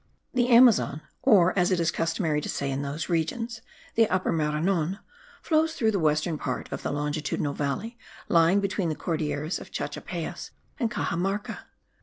The Amazon, or as it is customary to say in those regions, the Upper Maranon, flows through the western part of the longitudinal valley lying between the Cordilleras of Chachapayas and Caxamarca.